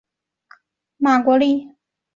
节目总监制是当时的央视体育部主任马国力。